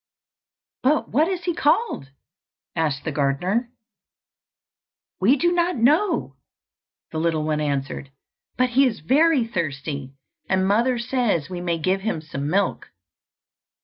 "But what is he called?" asked the gardener. "We do not know," the little one answered; "but he is very thirsty, and mother says we may give him some milk."